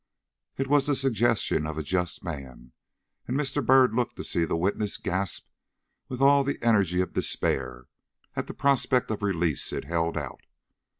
It was the suggestion of a just man, and Mr. Byrd looked to see the witness grasp with all the energy of despair at the prospect of release it held out.